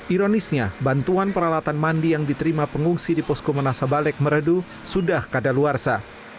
ironisnya bantuan peralatan mandi yang diterima pengungsi di posko manasa balek meredu sudah kadaluarsa